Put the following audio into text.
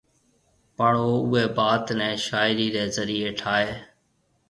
پڻ او اوئي بات نيَ شاعري ري ذريعي ٺائيَ